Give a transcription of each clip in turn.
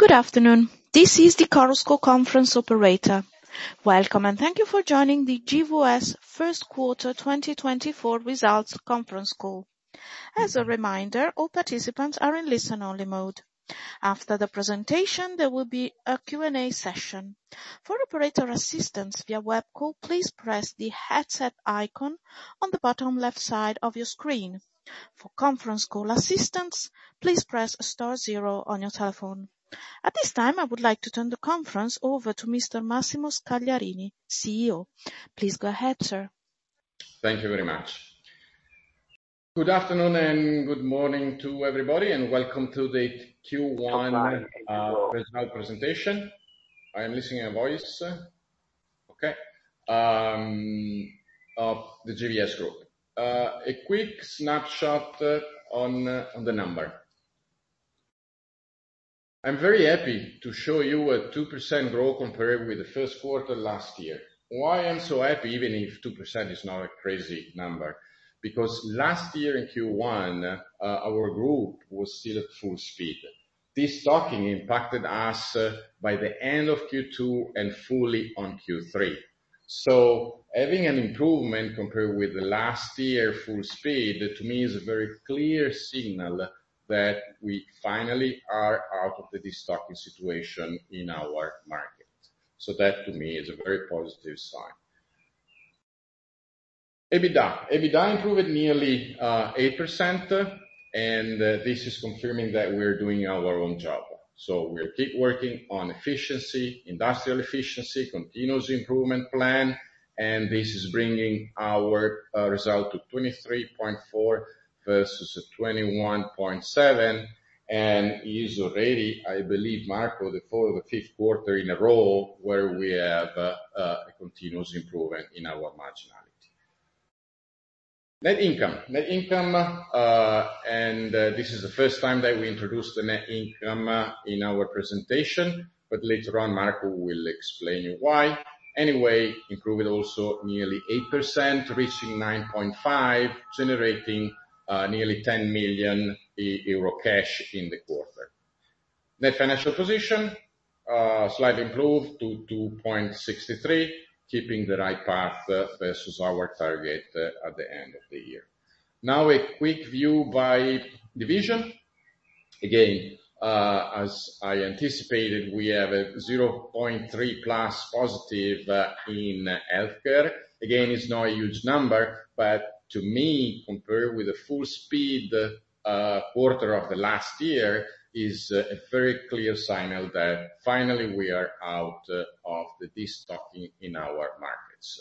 Good afternoon, this is the Chorus Call Conference Operator. Welcome, and thank you for joining the GVS Q1 2024 Results Conference Call. As a reminder, all participants are in listen-only mode. After the presentation, there will be a Q&A session. For operator assistance via web call, please press the headset icon on the bottom left side of your screen. For conference call assistance, please press star zero on your telephone. At this time, I would like to turn the conference over to Mr. Massimo Scagliarini, CEO. Please go ahead, sir. Thank you very much. Good afternoon and good morning to everybody, and welcome to the Q1 result presentation of the GVS Group. A quick snapshot on the number. I'm very happy to show you a 2% growth compared with the Q1 last year. Why I'm so happy, even if 2% is not a crazy number? Because last year in Q1, our group was still at full speed. De-stocking impacted us by the end of Q2 and fully on Q3. So having an improvement compared with last year full speed, to me, is a very clear signal that we finally are out of the de-stocking situation in our market. So that, to me, is a very positive sign. EBITDA. EBITDA improved nearly 8%, and this is confirming that we're doing our own job. So we'll keep working on efficiency, industrial efficiency, continuous improvement plan, and this is bringing our result to 23.4% versus 21.7%, and is already, I believe, Marco, the fourth or fifth quarter in a row where we have a continuous improvement in our marginality. Net income. Net income, and this is the first time that we introduced the net income in our presentation, but later on, Marco, we'll explain you why. Anyway, improved also nearly 8%, reaching 9.5 million, generating nearly 10 million euro cash in the quarter. Net financial position, slightly improved to 2.63, keeping the right path versus our target at the end of the year. Now a quick view by division. Again, as I anticipated, we have a 0.3+ positive in healthcare. Again, it's not a huge number, but to me, compared with the full speed quarter of the last year, is a very clear signal that finally we are out of the de-stocking in our markets.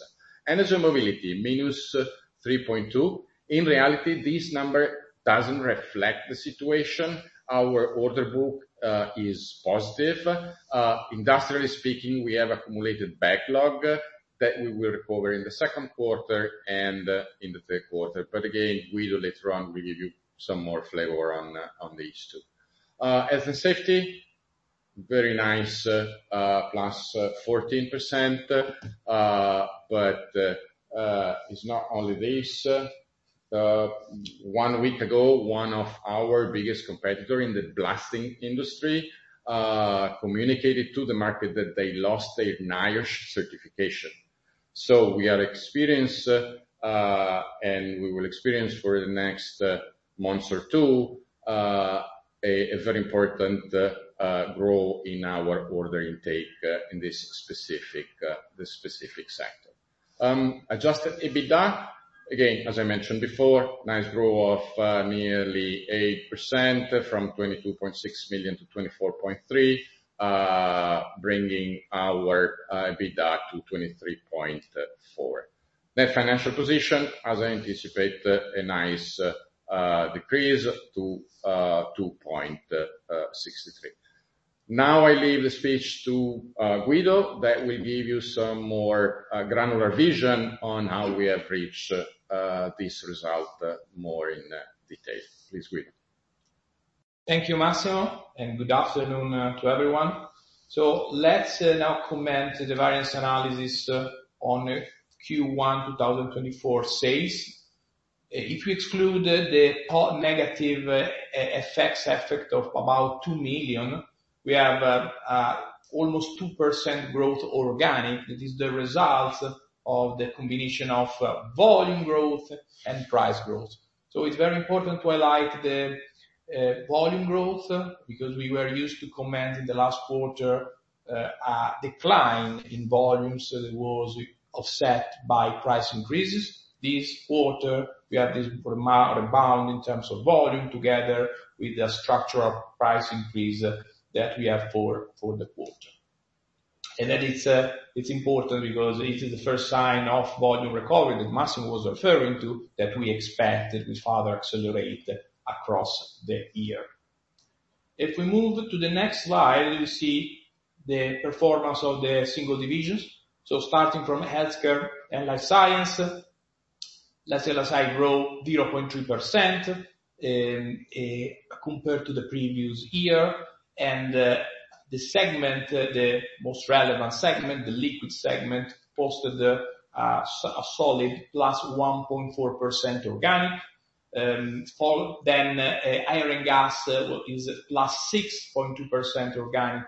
Energy & Mobility, -3.2%. In reality, this number doesn't reflect the situation. Our order book is positive. Industrially speaking, we have accumulated backlog that we will recover in the Q2 and in the Q3, but again, Guido, later on, will give you some more flavor on these two. Health & Safety, very nice, +14%, but it's not only this. One week ago, one of our biggest competitors in the blasting industry communicated to the market that they lost their NIOSH certification. So we are experiencing, and we will experience for the next months or two, a very important growth in our order intake, in this specific sector. Adjusted EBITDA, again, as I mentioned before, nice growth of nearly 8% from 22.6 to 24.3 million, bringing our EBITDA to 23.4 million. Net Financial Position, as I anticipate, a nice decrease to 2.63 million. Now I leave the speech to Guido that will give you some more granular vision on how we have reached this result more in detail. Please, Guido. Thank you, Massimo, and good afternoon to everyone. So let's now comment the variance analysis on Q1 2024 sales. If you exclude the FX negative effects of about 2 million, we have almost 2% growth organic. This is the result of the combination of volume growth and price growth. So it's very important to highlight the volume growth because we were used to comment in the last quarter a decline in volumes that was offset by price increases. This quarter, we have this rebound in terms of volume together with the structural price increase that we have for the quarter. And then it's important because it is the first sign of volume recovery that Massimo was referring to that we expected we'd further accelerate across the year. If we move to the next slide, you see the performance of the single divisions. So starting from Healthcare and Life Sciences, let's say last year grow 0.3%, compared to the previous year. The segment, the most relevant segment, the liquid segment, posted a solid +1.4% organic. Followed, then, Air & Gas is +6.2% organic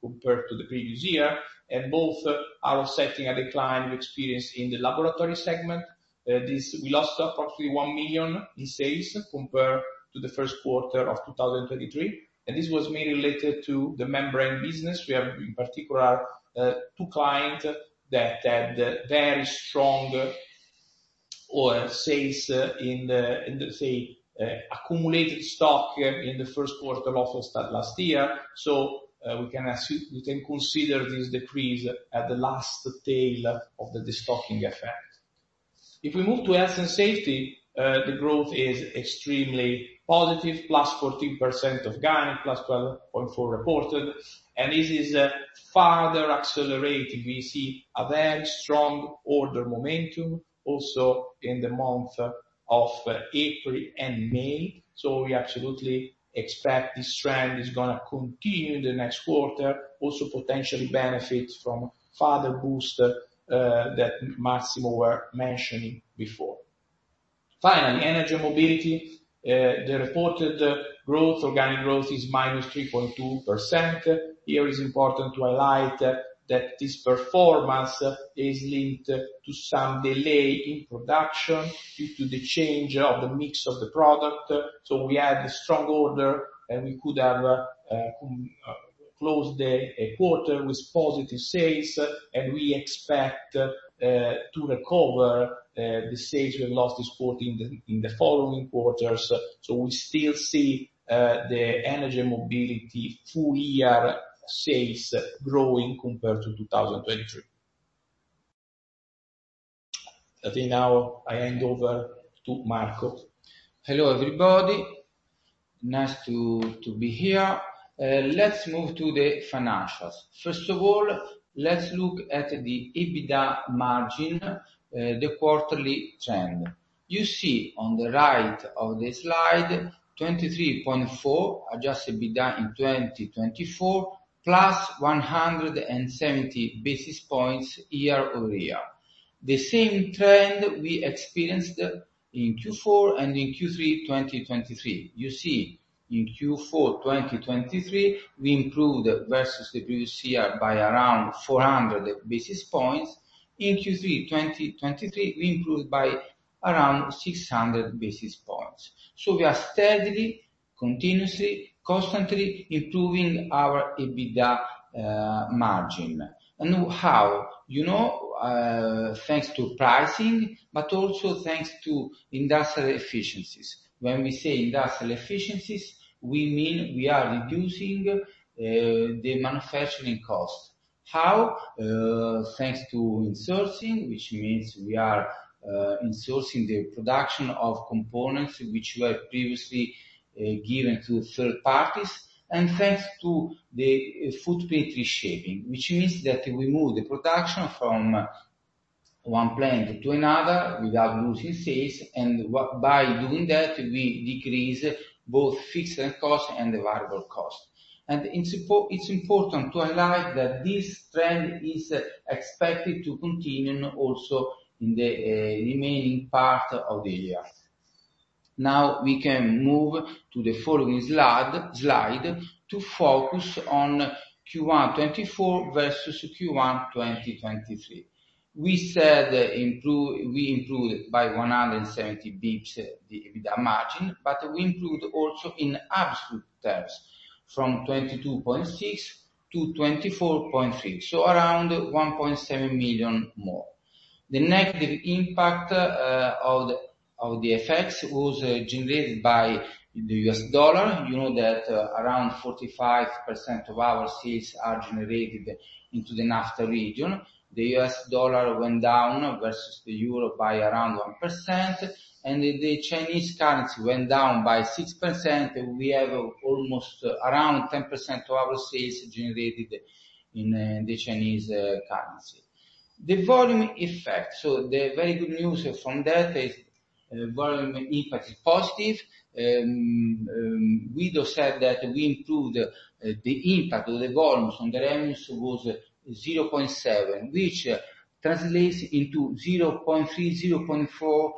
compared to the previous year. And both are offsetting a decline we experienced in the laboratory segment. This, we lost approximately 1 million in sales compared to the Q1 of 2023. And this was mainly related to the membrane business. We have, in particular, two clients that had very strong sales in the, say, accumulated stock in the Q1 of last year. So, we can assume we can consider this decrease as the last tail of the de-stocking effect. If we move to Health & Safety, the growth is extremely positive, +14% organic, +12.4% reported. And this is, further accelerating. We see a very strong order momentum also in the month of April and May. So we absolutely expect this trend is gonna continue in the next quarter, also potentially benefit from further boost that Massimo were mentioning before. Finally, Energy & Mobility. The reported growth, organic growth, is -3.2%. Here it is important to highlight that this performance is linked to some delay in production due to the change of the mix of the product. So we had a strong order, and we could have closed the quarter with positive sales, and we expect to recover the sales we've lost this quarter in the following quarters. So we still see the Energy & Mobility full year sales growing compared to 2023. I think now I hand over to Marco. Hello everybody. Nice to be here. Let's move to the financials. First of all, let's look at the Adjusted EBITDA margin, the quarterly trend. You see on the right of the slide, 23.4 Adjusted EBITDA in 2024, plus 170 basis points year-over-year. The same trend we experienced in Q4 and in Q3 2023. You see in Q4 2023, we improved versus the previous year by around 400 basis points. In Q3 2023, we improved by around 600 basis points. So we are steadily, continuously, constantly improving our Adjusted EBITDA margin. And how? You know, thanks to pricing, but also thanks to industrial efficiencies. When we say industrial efficiencies, we mean we are reducing the manufacturing cost. How? Thanks to insourcing, which means we are insourcing the production of components which were previously given to third parties. Thanks to the footprint reshaping, which means that we move the production from one plant to another without losing sales. By doing that, we decrease both fixed costs and variable costs. It's important to highlight that this trend is expected to continue also in the remaining part of the year. Now we can move to the following slide to focus on Q1 2024 versus Q1 2023. We improved by 170 basis points the EBITDA margin, but we improved also in absolute terms from 22.6% to 24.3%, so around 1.7 million more. The negative impact of the effects was generated by the US dollar. You know that around 45% of our sales are generated into the NAFTA region. The US dollar went down versus the euro by around 1%, and the Chinese currency went down by 6%. We have almost around 10% of our sales generated in the Chinese currency. The volume effect. So the very good news from that is, volume impact is positive. Guido said that we improved the impact of the volumes on the revenues was 0.7, which translates into 0.3 to 0.4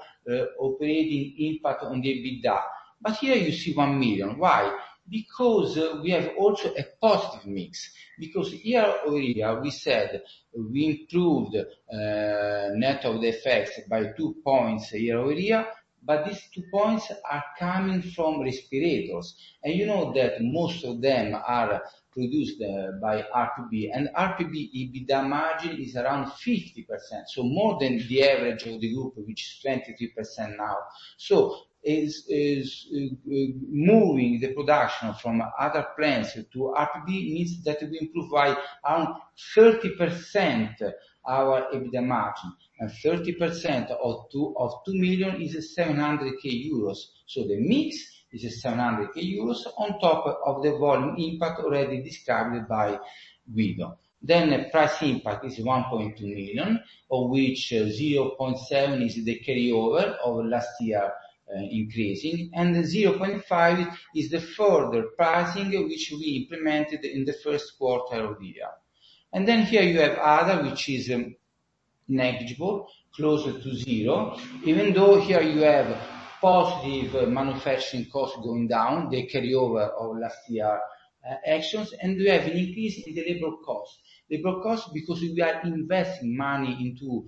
operating impact on the EBITDA. But here you see 1 million. Why? Because we have also a positive mix. Because year-over-year, we said we improved net of the effects by 2 points year-over-year, but these 2 points are coming from respirators. And you know that most of them are produced by RPB. And RPB EBITDA margin is around 50%, so more than the average of the group, which is 23% now. So it's moving the production from other plants to RPB means that we improve by around 30% our EBITDA margin. 30% of 2 million is 700,000 euros. So the mix is 700,000 euros on top of the volume impact already described by Guido. Then price impact is 1.2 million, of which 0.7 million is the carryover of last year, increasing. And 0.5 million is the further pricing which we implemented in the Q1 of the year. And then here you have other, which is negligible, closer to zero, even though here you have positive manufacturing costs going down, the carryover of last year actions, and we have an increase in the labor cost. Labor cost because we are investing money into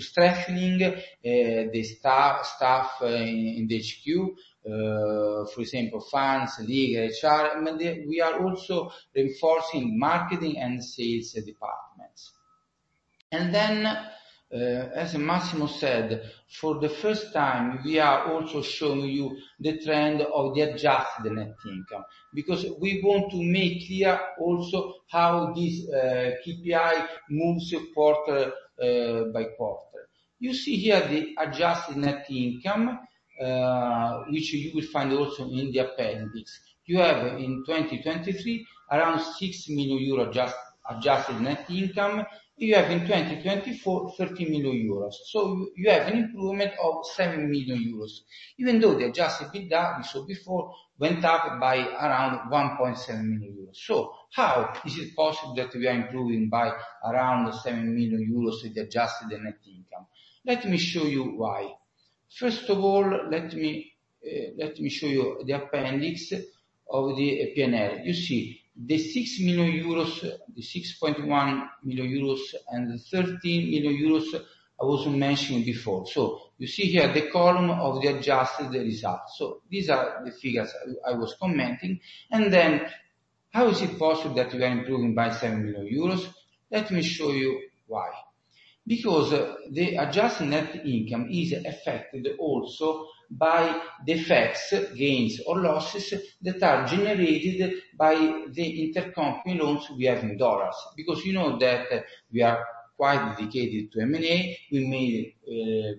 strengthening the staff in the HQ, for example, finance, legal, HR. But we are also reinforcing marketing and sales departments. And then, as Massimo said, for the first time, we are also showing you the trend of the Adjusted Net Income because we want to make clear also how this KPI moves quarter by quarter. You see here the Adjusted Net Income, which you will find also in the appendix. You have in 2023 around 6 million euros Adjusted Net Income. You have in 2024 30 million euros. So you, you have an improvement of 7 million euros, even though the Adjusted EBITDA, we saw before, went up by around 1.7 million euros. So how is it possible that we are improving by around 7 million euros the Adjusted Net Income? Let me show you why. First of all, let me, let me show you the appendix of the P&L. You see the 6 million euros, the 6.1 million euros, and the 13 million euros I was mentioning before. So you see here the column of the adjusted results. So these are the figures I, I was commenting. And then how is it possible that we are improving by 7 million euros? Let me show you why. Because the adjusted net income is affected also by the effects, gains, or losses that are generated by the intercompany loans we have in dollars. Because you know that we are quite dedicated to M&A. We made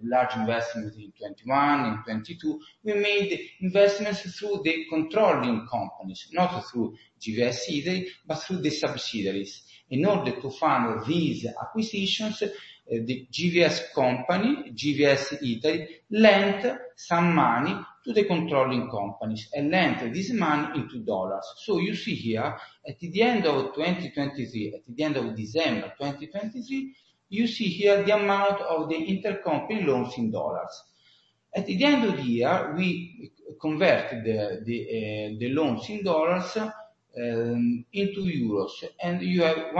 large investments in 2021, in 2022. We made investments through the controlling companies, not through GVS Italy, but through the subsidiaries. In order to fund these acquisitions, the GVS company, GVS Italy, lent some money to the controlling companies and lent this money in dollars. So you see here at the end of 2023, at the end of December 2023, you see here the amount of the intercompany loans in dollars. At the end of the year, we converted the loans in dollars into euros. You have,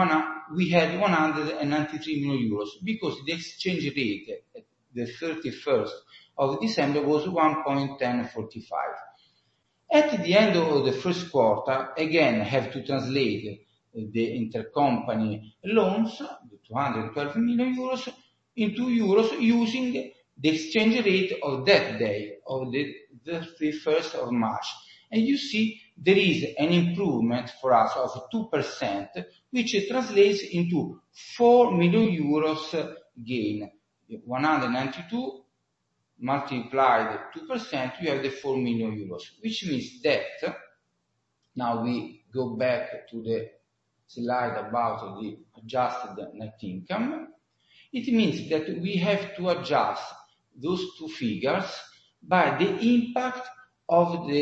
we had 193 million euros because the exchange rate at the 31 December was 1.1045. At the end of the Q1, again, have to translate the intercompany loans, the 212 million euro, into euros using the exchange rate of that day, of the 31 March. You see there is an improvement for us of 2%, which translates into 4 million euros gain. 192 multiplied 2%, you have the 4 million euros, which means that now we go back to the slide about the Adjusted Net Income. It means that we have to adjust those two figures by the impact of the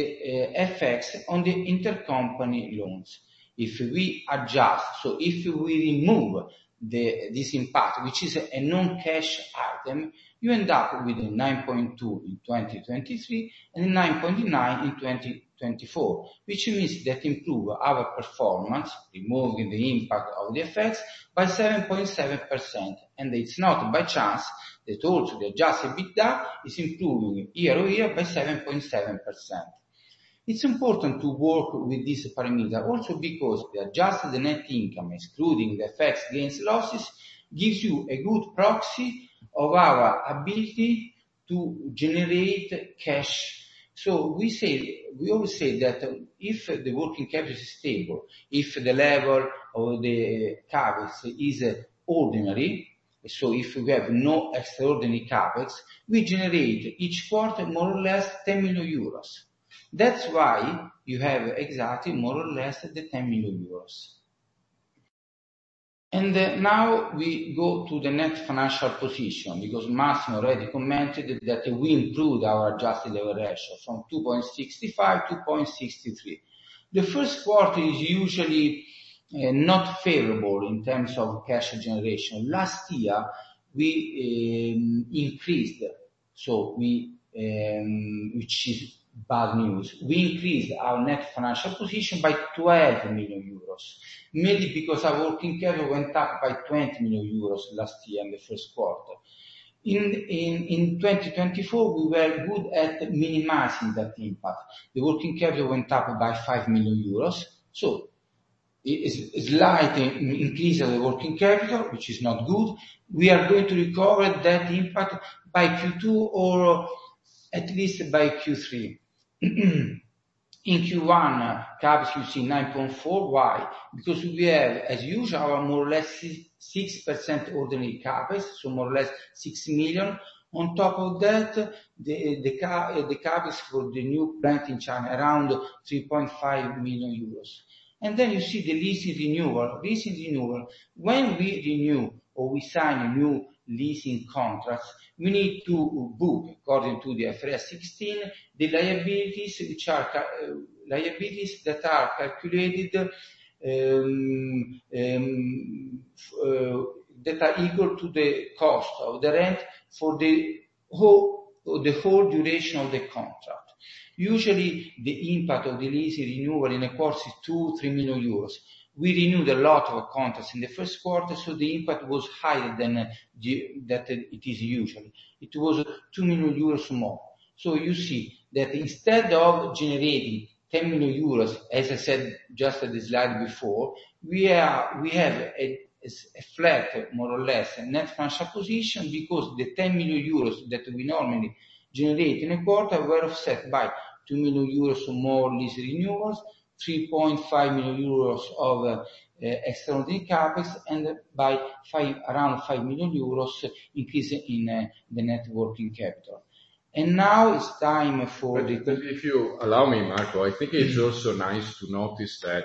effects on the intercompany loans. If we adjust, so if we remove this impact, which is a non-cash item, you end up with a 9.2 in 2023 and a 9.9 in 2024, which means that improve our performance, removing the impact of the effects, by 7.7%. It's not by chance that also the adjusted EBITDA is improving year-over-year by 7.7%. It's important to work with this parameter also because the adjusted net income, excluding the effects, gains, losses, gives you a good proxy of our ability to generate cash. So we always say that if the working capital is stable, if the level of the CAPEX is ordinary, so if we have no extraordinary CAPEX, we generate each quarter more or less 10 million euros. That's why you have exactly more or less 10 million euros. Now we go to the next financial position because Massimo already commented that we improved our adjusted leverage ratio from 2.65 to 2.63. The Q1 is usually not favorable in terms of cash generation. Last year, we increased. Which is bad news. We increased our net financial position by 12 million euros mainly because our working capital went up by 20 million euros last year in the Q1. In 2024, we were good at minimizing that impact. The working capital went up by 5 million euros. So it's a slight increase of the working capital, which is not good. We are going to recover that impact by Q2 or at least by Q3. In Q1, CAPEX, you see 9.4. Why? Because we have, as usual, our more or less 6% ordinary CAPEX, so more or less 6 million. On top of that, the CAPEX for the new plant in China, around 3.5 million euros. And then you see the leasing renewal. Leasing renewal. When we renew or we sign new leasing contracts, we need to book, according to the IFRS 16, the liabilities, which are liabilities that are calculated, that are equal to the cost of the rent for the whole duration of the contract. Usually, the impact of the leasing renewal in a quarter is 2 to 3 million. We renewed a lot of contracts in the Q1, so the impact was higher than that it is usually. It was 2 million euros more. So you see that instead of generating 10 million euros, as I said just at the slide before, we have a flat, more or less, Net Financial Position because the 10 million euros that we normally generate in a quarter were offset by 2 million euros more lease renewals, 3.5 million euros of extraordinary CAPEX, and by around 5 million euros increase in the Net Working Capital. And now it's time for the. But if you allow me, Marco, I think it's also nice to notice that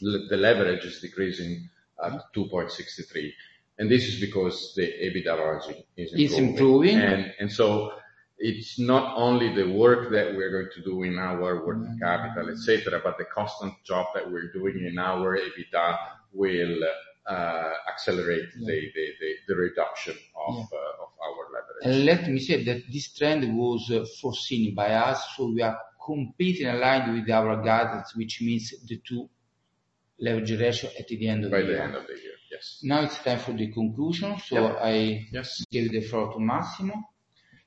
the leverage is decreasing at 2.63. And this is because the EBITDA margin is improving. Is improving. And so it's not only the work that we're going to do in our working capital, etc., but the constant job that we're doing in our EBITDA will accelerate the reduction of our leverage. Let me say that this trend was foreseen by us. We are completely aligned with our guidance, which means the 2 leverage ratio at the end of the year. By the end of the year, yes. Now it's time for the conclusion. I gave the floor to Massimo.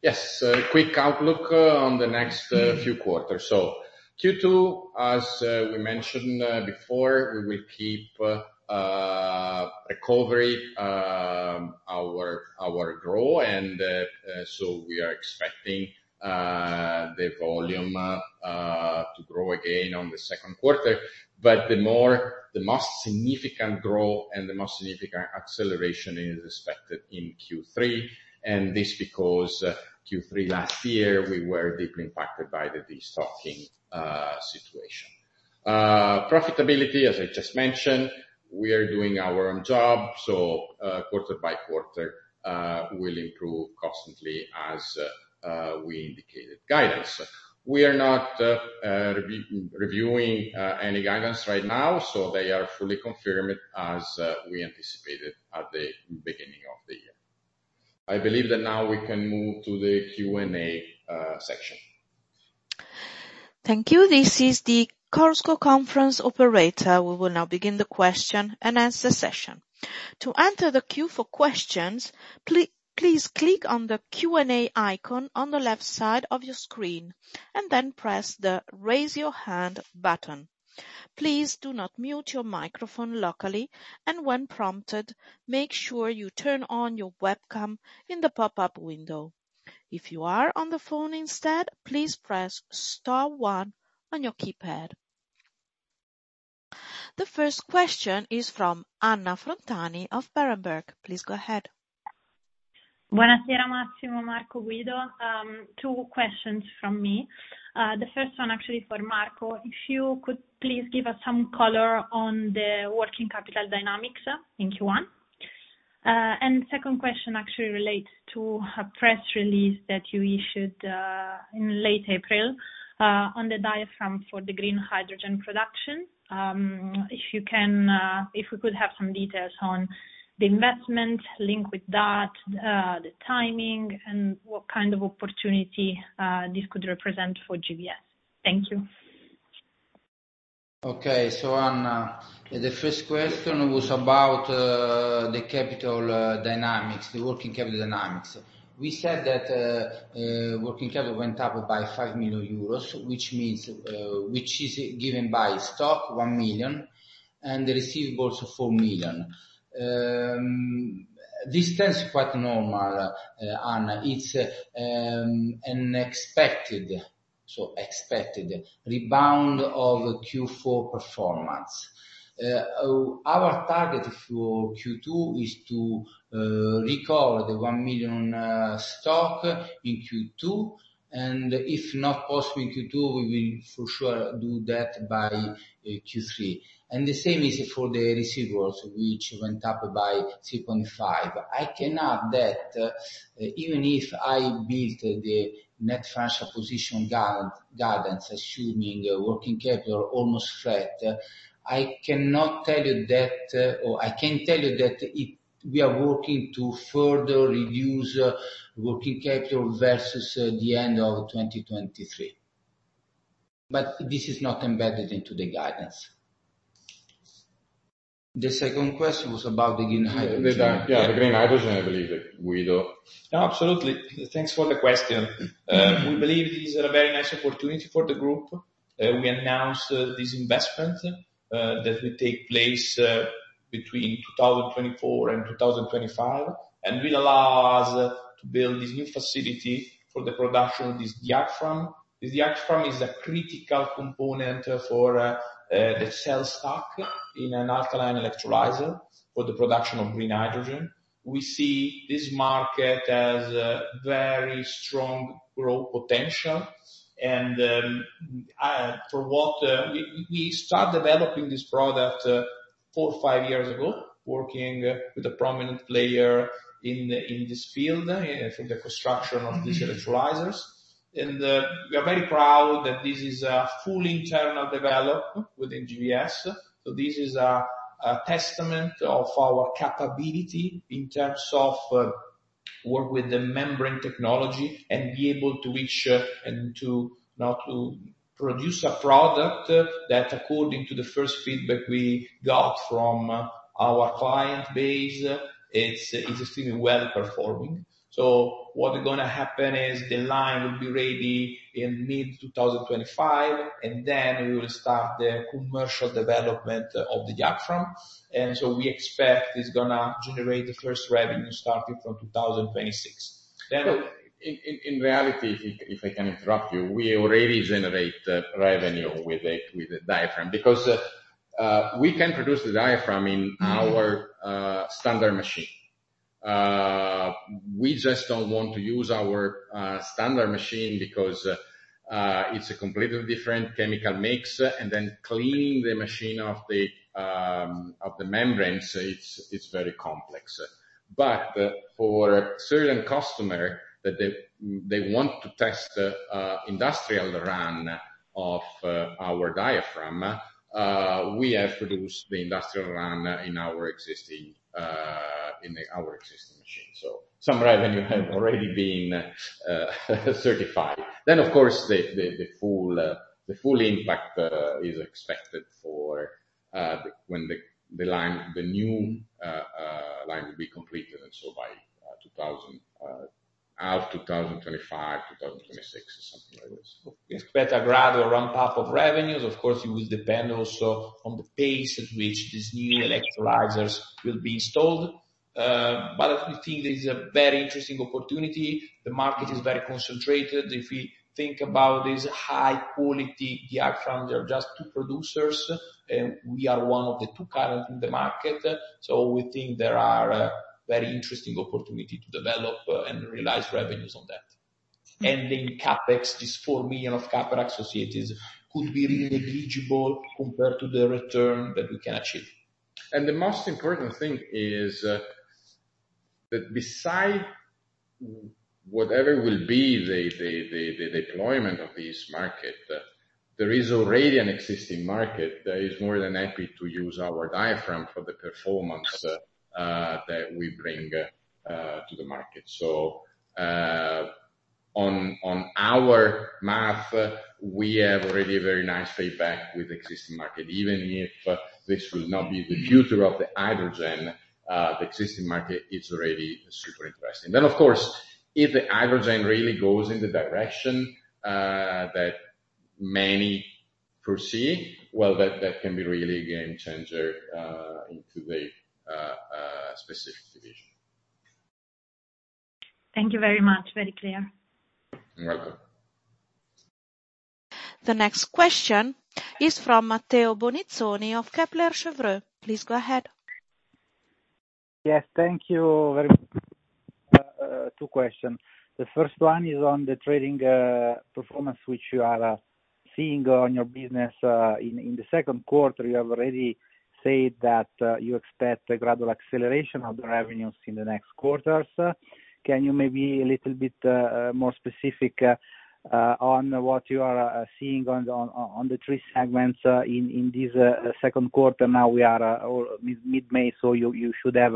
Yes. Quick outlook on the next few quarters. So Q2, as we mentioned before, we will keep recovery, our growth. So we are expecting the volume to grow again on the Q2. But the most significant growth and the most significant acceleration is expected in Q3. And this because Q3 last year, we were deeply impacted by the de-stocking situation. Profitability, as I just mentioned, we are doing our own job. So quarter by quarter will improve constantly as we indicated guidance. We are not reviewing any guidance right now. So they are fully confirmed as we anticipated at the beginning of the year. I believe that now we can move to the Q&A section. Thank you. This is the Chorus Call Conference Operator. We will now begin the question and answer session. To enter the queue for questions, please click on the Q&A icon on the left side of your screen and then press the Raise Your Hand button. Please do not mute your microphone locally, and when prompted, make sure you turn on your webcam in the pop-up window. If you are on the phone instead, please press star one on your keypad. The first question is from Anna Frontani of Berenberg. Please go ahead. Buonasera, Massimo, Marco, Guido. Two questions from me. The first one, actually, for Marco. If you could please give us some color on the working capital dynamics in Q1. Second question actually relates to a press release that you issued in late April on the diaphragm for the green hydrogen production. If we could have some details on the investment link with that, the timing, and what kind of opportunity this could represent for GVS. Thank you. Okay. So, Anna, the first question was about the capital dynamics, the working capital dynamics. We said that working capital went up by 5 million euros, which means which is given by stock, 1 million, and receivables, 4 million. This tends quite normal, Anna. It's an expected so expected rebound of Q4 performance. Our target for Q2 is to recover the 1 million stock in Q2. And if not possible in Q2, we will for sure do that by Q3. And the same is for the receivables, which went up by 3.5 million. I cannot that even if I built the net financial position guidance, assuming working capital almost flat, I cannot tell you that or I can tell you that we are working to further reduce working capital versus the end of 2023. But this is not embedded into the guidance. The second question was about the green hydrogen. Yeah, the Green Hydrogen, I believe, Guido. Yeah, absolutely. Thanks for the question. We believe this is a very nice opportunity for the group. We announced this investment that will take place between 2024 and 2025 and will allow us to build this new facility for the production of this diaphragm. This diaphragm is a critical component for the cell stack in an alkaline electrolyzer for the production of green hydrogen. We see this market as very strong growth potential. And the fact that we started developing this product four, five years ago, working with a prominent player in this field for the construction of these electrolyzers. And we are very proud that this is a fully internal development within GVS. So this is a testament of our capability in terms of work with the membrane technology and be able to reach and to produce a product that, according to the first feedback we got from our client base, it's extremely well performing. So what's going to happen is the line will be ready in mid-2025, and then we will start the commercial development of the diaphragm. And so we expect it's going to generate the first revenue starting from 2026. Then. So in reality if I can interrupt you, we already generate revenue with the diaphragm because we can produce the diaphragm in our standard machine. We just don't want to use our standard machine because it's a completely different chemical mix. And then cleaning the machine of the membranes, it's very complex. But for certain customers that they want to test the industrial run of our diaphragm, we have produced the industrial run in our existing machine. So some revenue has already been certified. Then, of course, the full impact is expected for when the new line will be completed, and so by 2025, 2026, something like this. We expect a gradual ramp-up of revenues. Of course, it will depend also on the pace at which these new electrolyzers will be installed. But we think this is a very interesting opportunity. The market is very concentrated. If we think about this high-quality diaphragm, there are just two producers, and we are one of the two currently in the market. So we think there are very interesting opportunities to develop and realize revenues on that. And the CAPEX, this 4 million of CAPEX associated, could be really negligible compared to the return that we can achieve. The most important thing is that besides whatever will be the deployment of this market, there is already an existing market that is more than happy to use our Diaphragm for the performance that we bring to the market. So on our end, we have already a very nice feedback with the existing market. Even if this will not be the future of the hydrogen, the existing market is already super interesting. Then, of course, if the hydrogen really goes in the direction that many foresee, well, that can be really a game changer into the specific division. Thank you very much. Very clear. You're welcome. The next question is from Matteo Bonizzoni of Kepler Cheuvreux. Please go ahead. Yes. Thank you. Two questions. The first one is on the trading performance, which you are seeing on your business. In the Q2, you have already said that you expect a gradual acceleration of the revenues in the next quarters. Can you maybe be a little bit more specific on what you are seeing on the three segments in this Q2? Now we are mid-May, so you should have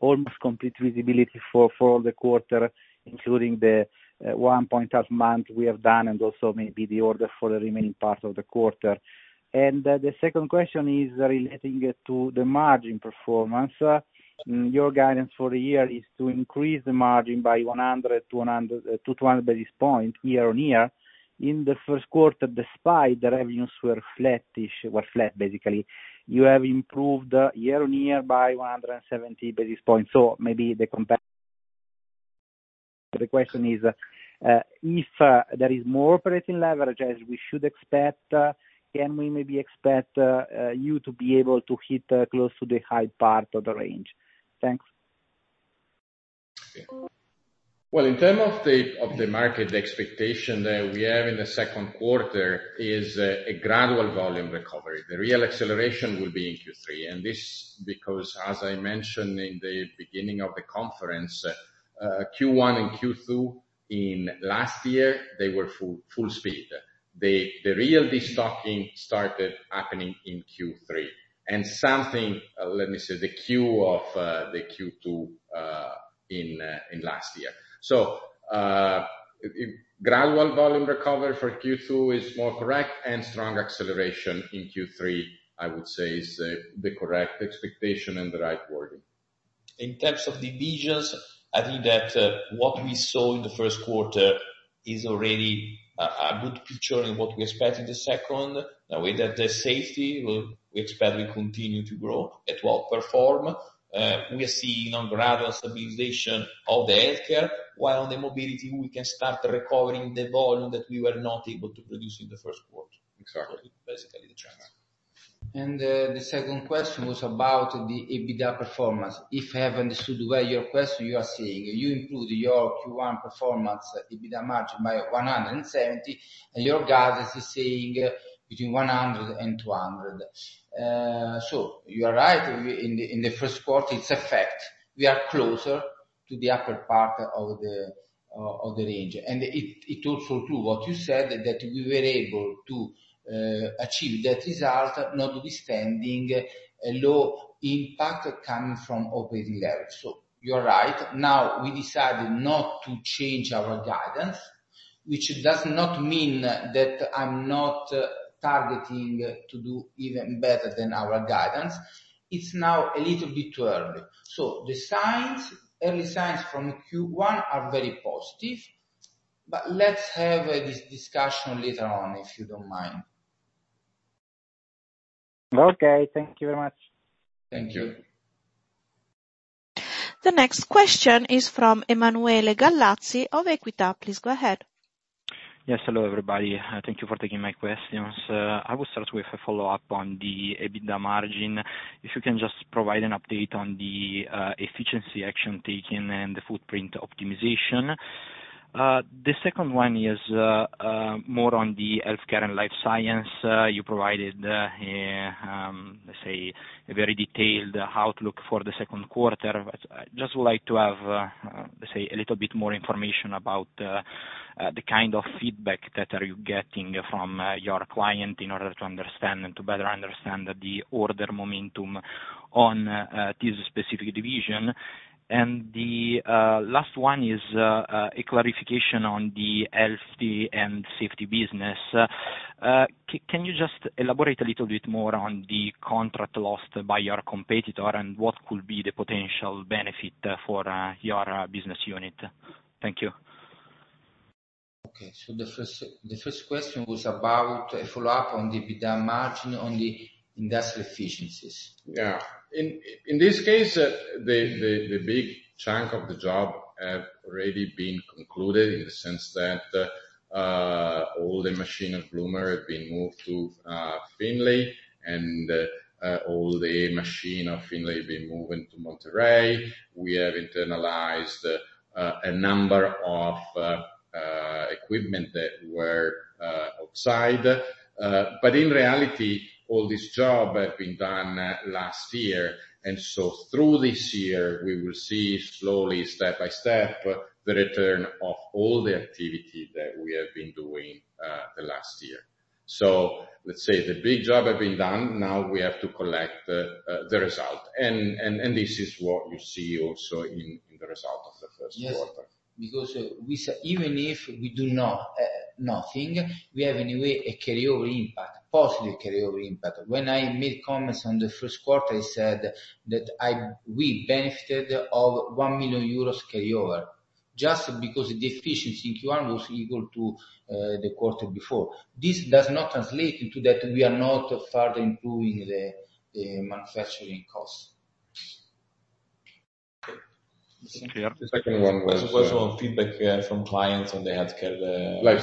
almost complete visibility for all the quarter, including the one point-out month we have done and also maybe the order for the remaining part of the quarter. And the second question is relating to the margin performance. Your guidance for the year is to increase the margin by 100 to 200 basis points year-on-year. In the Q1, despite the revenues were flat, basically, you have improved year-on-year by 170 basis points. So maybe the question is, if there is more operating leverage, as we should expect, can we maybe expect you to be able to hit close to the high part of the range? Thanks. Well, in terms of the market, the expectation that we have in the Q2 is a gradual volume recovery. The real acceleration will be in Q3. And this because, as I mentioned in the beginning of the conference, Q1 and Q2 in last year, they were full speed. The real de-stocking started happening in Q3. And, let me say, the end of Q2 in last year. So gradual volume recovery for Q2 is more correct, and strong acceleration in Q3, I would say, is the correct expectation and the right wording. In terms of divisions, I think that what we saw in the Q1 is already a good picture in what we expect in the second. In a way that the safety, we expect we continue to grow at what perform. We are seeing a gradual stabilization of the healthcare, while on the mobility, we can start recovering the volume that we were not able to produce in the Q1. Exactly. So basically, the trend. And the second question was about the EBITDA performance. If I have understood well your question, you are saying you improved your Q1 performance EBITDA margin by 170, and your guidance is saying between 100 and 200. So you are right. In the Q1, it's a fact. We are closer to the upper part of the range. And it also true what you said, that we were able to achieve that result, notwithstanding a low impact coming from operating levels. So you are right. Now we decided not to change our guidance, which does not mean that I'm not targeting to do even better than our guidance. It's now a little bit too early. So the signs, early signs from Q1 are very positive. But let's have this discussion later on, if you don't mind. Okay. Thank you very much. Thank you. The next question is from Emanuele Gallazzi of Equita. Please go ahead. Yes. Hello, everybody. Thank you for taking my questions. I will start with a follow-up on the EBITDA margin, if you can just provide an update on the efficiency action taken and the footprint optimization. The second one is more on the Healthcare and Life Sciences. You provided, let's say, a very detailed outlook for the Q2. I just would like to have, let's say, a little bit more information about the kind of feedback that you're getting from your client in order to understand and to better understand the order momentum on this specific division. And the last one is a clarification on the Health and Safety business. Can you just elaborate a little bit more on the contract lost by your competitor and what could be the potential benefit for your business unit? Thank you. Okay. The first question was about a follow-up on the EBITDA margin on the industrial efficiencies. Yeah. In this case, the big chunk of the job have already been concluded in the sense that all the machine of Bloomer have been moved to Findlay, and all the machine of Findlay have been moving to Monterrey. We have internalized a number of equipment that were outside. But in reality, all this job has been done last year. And so through this year, we will see slowly, step by step, the return of all the activity that we have been doing the last year. So let's say the big job has been done. Now we have to collect the result. And this is what you see also in the result of the Q1. Yes. Because even if we do nothing, we have anyway a carryover impact, positive carryover impact. When I made comments on the Q1, I said that we benefited of 1 million euros carryover just because the efficiency in Q1 was equal to the quarter before. This does not translate into that we are not further improving the manufacturing costs. The second one was. What's your feedback from clients on the healthcare? Life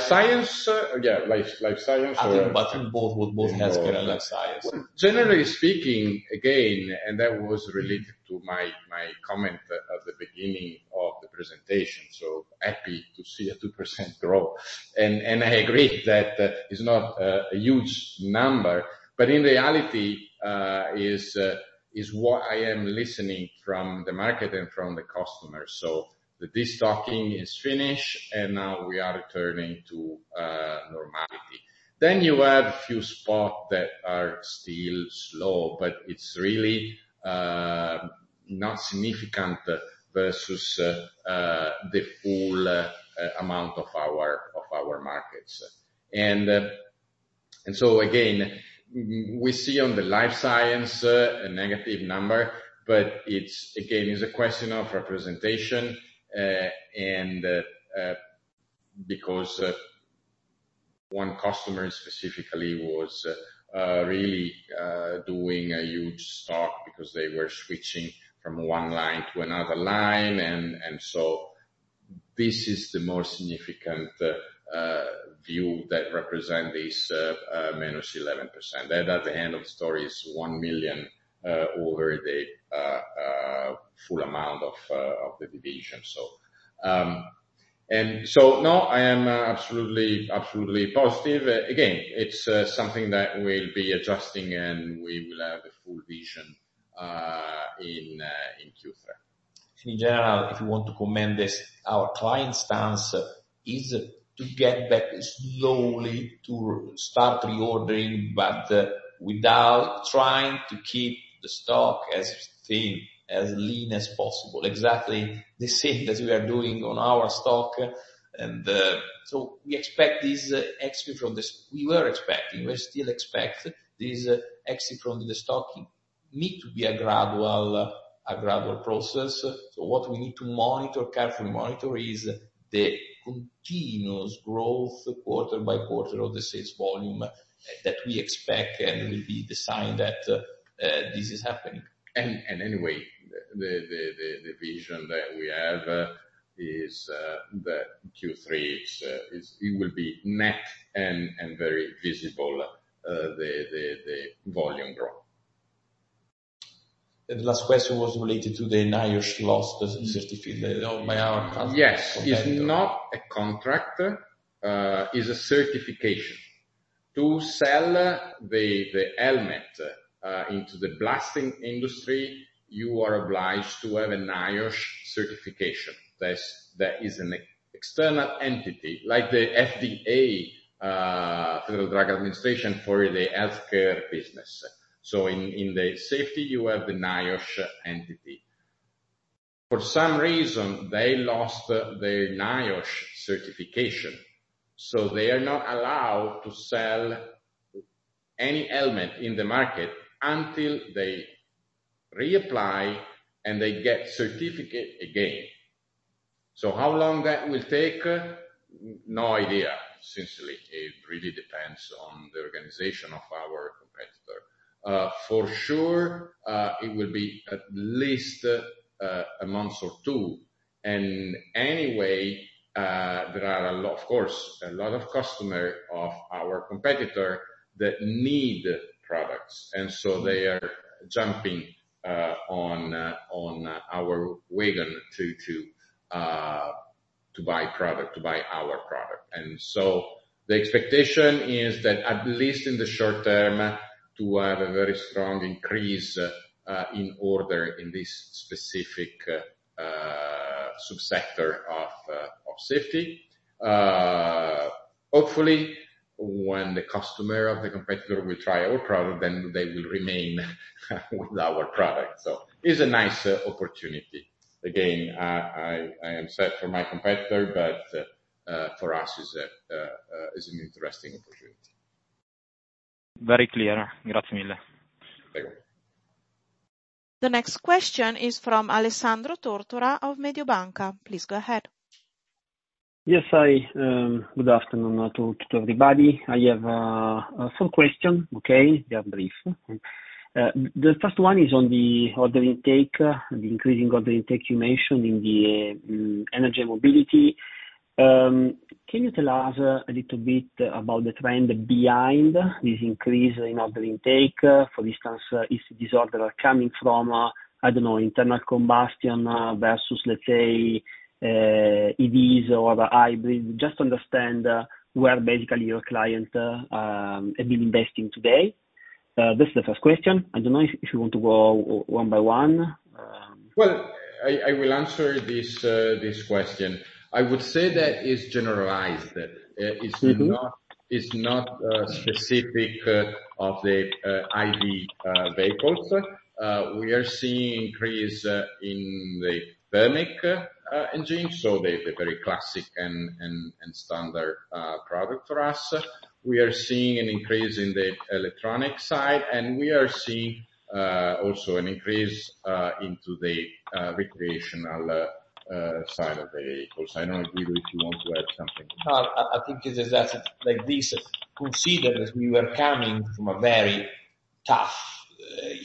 science? Yeah. Life science or. I think both. Both Healthcare and Life Sciences. Generally speaking, again, and that was related to my comment at the beginning of the presentation, so happy to see a 2% growth. I agree that it's not a huge number, but in reality, it's what I am listening from the market and from the customers. So the de-stocking is finished, and now we are returning to normality. Then you have a few spots that are still slow, but it's really not significant versus the full amount of our markets. And so again, we see on the Life Sciences a negative number, but it's, again, a question of representation. And because one customer specifically was really doing a huge stock because they were switching from one line to another line. And so this is themost significant view that represents this -11%. That, at the end of the story, is 1 million over the full amount of the division, so. And so, no, I am absolutely positive. Again, it's something that we'll be adjusting, and we will have the full vision in Q3. In general, if you want to comment this, our client's stance is to get back slowly to start reordering, but without trying to keep the stock as thin, as lean as possible. Exactly the same that we are doing on our stock. And so we expect this exit from the de-stocking we were expecting. We still expect this exit from the de-stocking need to be a gradual process. So what we need to monitor, carefully monitor, is the continuous growth quarter by quarter of the sales volume that we expect and will be the sign that this is happening. Anyway, the vision that we have is that Q3, it will be net and very visible, the volume growth. The last question was related to the NIOSH certification. [inaudible] Yes. It's not a contract. It's a certification. To sell the helmet into the blasting industry, you are obliged to have a NIOSH certification. That is an external entity, like the FDA, Food and Drug Administration, for the healthcare business. So in the safety, you have the NIOSH entity. For some reason, they lost their NIOSH certification. So they are not allowed to sell any helmet in the market until they reapply and they get certificate again. So how long that will take? No idea, sincerely. It really depends on the organization of our competitor. For sure, it will be at least a month or two. And anyway, there are, of course, a lot of customers of our competitor that need products. And so they are jumping on our wagon to buy product, to buy our product. And so the expectation is that at least in the short term, to have a very strong increase in order in this specific subsector of safety. Hopefully, when the customer of the competitor will try our product, then they will remain with our product. It's a nice opportunity. Again, I am sad for my competitor, but for us, it's an interesting opportunity. Very clear. Grazie mille. Thank you. The next question is from Alessandro Tortora of Mediobanca. Please go ahead. Yes. Good afternoon to everybody. I have a short question, okay? Very brief. The first one is on the order intake, the increasing order intake you mentioned in the energy mobility. Can you tell us a little bit about the trend behind this increase in order intake? For instance, if these orders are coming from, I don't know, internal combustion versus, let's say, EVs or hybrids, just to understand where basically your client has been investing today. That's the first question. I don't know if you want to go one by one. Well, I will answer this question. I would say that it's generalized. It's not specific to the EV vehicles. We are seeing an increase in the thermal engine, so the very classic and standard product for us. We are seeing an increase in the electronic side, and we are seeing also an increase into the recreational side of the vehicles. I don't know if you want to add something. I think this is to be considered that we were coming from a very tough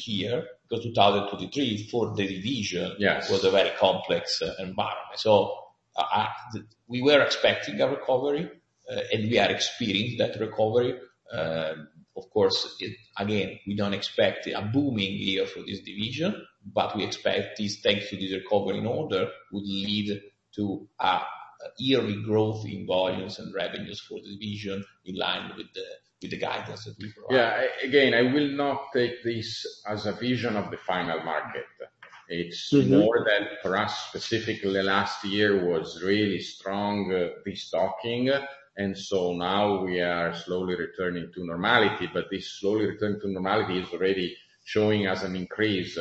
year because 2023 for the division was a very complex environment. So we were expecting a recovery, and we are experiencing that recovery. Of course, again, we don't expect a booming year for this division, but we expect that this, thanks to this recovery in order, would lead to a yearly growth in volumes and revenues for the division in line with the guidance that we provide. Yeah. Again, I will not take this as a vision of the final market. It's more that for us, specifically, last year was really strong de-stocking. And so now we are slowly returning to normality. But this slowly return to normality is already showing us an increase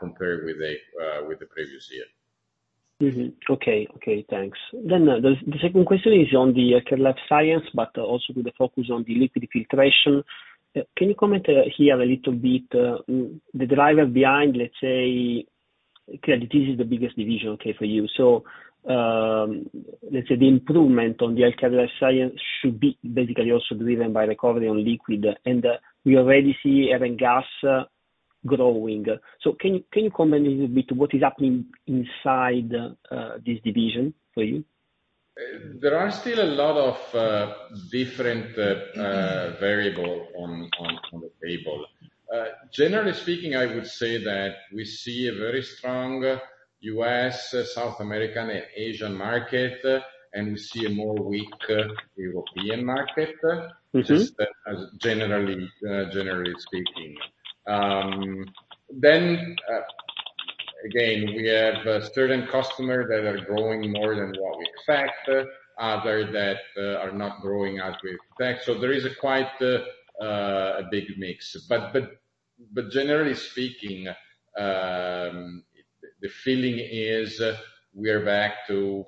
compared with the previous year. Okay. Okay. Thanks. Then the second question is on the Healthcare Life Sciences, but also with a focus on the liquid filtration. Can you comment here a little bit? The driver behind, let's say, clearly, this is the biggest division, okay, for you. So let's say the improvement on the Healthcare Life Sciences should be basically also driven by recovery on liquid. And we already see air and gas growing. So can you comment a little bit to what is happening inside this division for you? There are still a lot of different variables on the table. Generally speaking, I would say that we see a very strong U.S., South American, and Asian market, and we see a more weak European market, just generally speaking. Then again, we have certain customers that are growing more than what we expect, others that are not growing as we expect. So there is quite a big mix. But generally speaking, the feeling is we are back to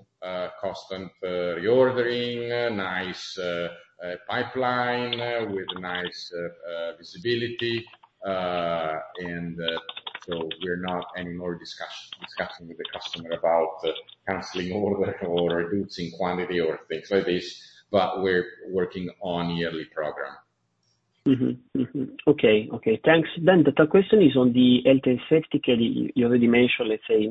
constant reordering, nice pipeline with nice visibility. And so we're not anymore discussing with the customer about canceling order or reducing quantity or things like this, but we're working on a yearly program. Okay. Okay. Thanks. Then the third question is on the health and safety. You already mentioned, let's say,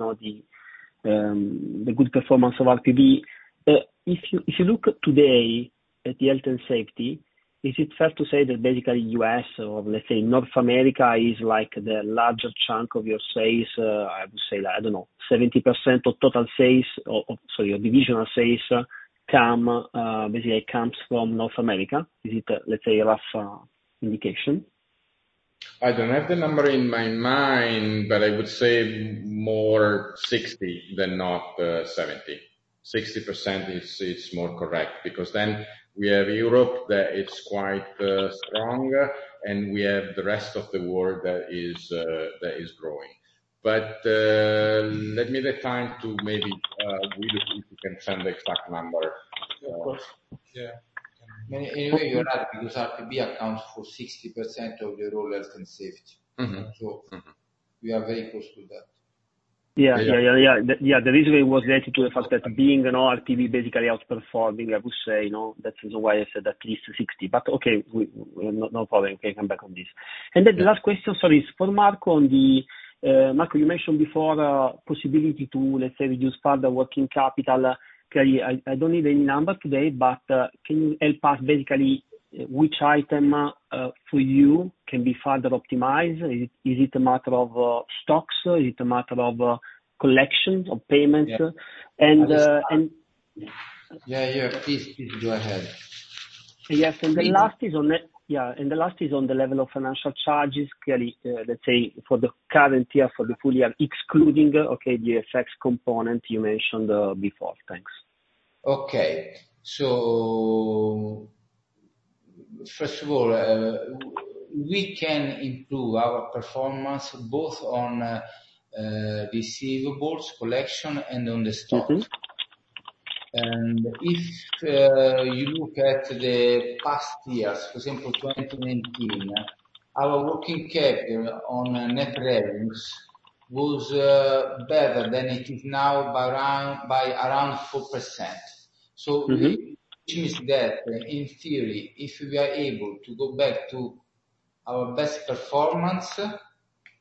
the good performance of RPB. If you look today at the health and safety, is it fair to say that basically U.S. or, let's say, North America is the larger chunk of your sales? I would say, I don't know, 70% of total sales, sorry, of divisional sales basically comes from North America. Is it, let's say, a rough indication? I don't have the number in my mind, but I would say more 60 than not 70. 60% is more correct because then we have Europe that is quite strong, and we have the rest of the world that is growing. But let me take time to maybe if you can send the exact number. Of course. Yeah. Anyway, you're right because RPB accounts for 60% of the whole Health and Safety. So we are very close to that. Yeah. Yeah. Yeah. Yeah. The reason it was related to the fact that being RPB basically outperforming, I would say, that's why I said at least 60. But okay. No problem. Okay. Come back on this. And then the last question, sorry, is for Marco. Marco, you mentioned before a possibility to, let's say, reduce further working capital. I don't need any number today, but can you help us basically which item for you can be further optimized? Is it a matter of stocks? Is it a matter of collections or payments? And. Yeah. Yeah. Please go ahead. Yes. And the last is on the level of financial charges. Clearly, let's say, for the current year, for the full year, excluding, okay, the effects component you mentioned before. Thanks. Okay. So first of all, we can improve our performance both on receivables, collection, and on the stock. And if you look at the past years, for example, 2019, our working capital on net revenues was better than it is now by around 4%. So the issue is that in theory, if we are able to go back to our best performance,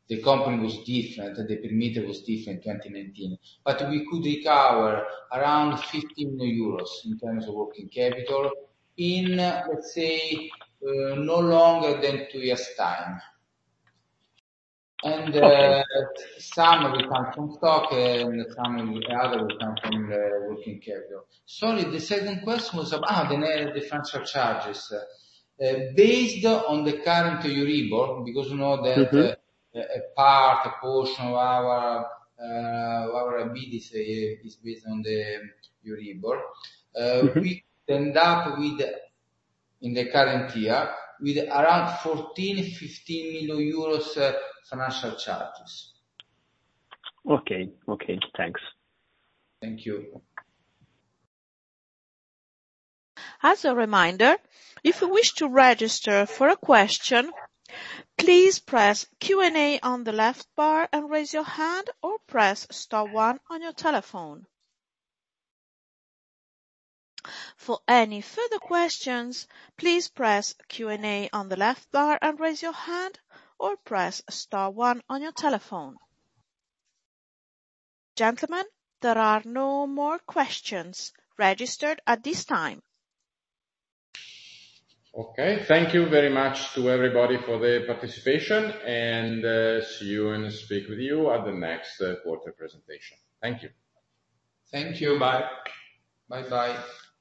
the company was different. The perimeter was different in 2019. But we could recover around 15 euros in terms of working capital in, let's say, no longer than 2 years' time. And some will come from stock, and some other will come from working capital. Sorry, the second question was about the financial charges. Based on the current EURIBOR, because you know that a part, a portion of our ability is based on the EURIBOR, we end up with, in the current year, with around 14 to 15 million financial charges. Okay. Okay. Thanks. Thank you. As a reminder, if you wish to register for a question, please press Q&A on the left bar and raise your hand or press star one on your telephone. For any further questions, please press Q&A on the left bar and raise your hand or press star one on your telephone. Gentlemen, there are no more questions registered at this time. Okay. Thank you very much to everybody for the participation, and see you and speak with you at the next quarter presentation. Thank you. Thank you. Bye. Bye-bye.